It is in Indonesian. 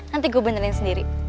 nanti gue benerin sendiri